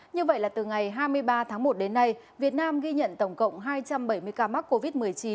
như vậy là từ ngày hai mươi ba tháng một đến nay việt nam ghi nhận tổng cộng hai trăm bảy mươi ca mắc covid một mươi chín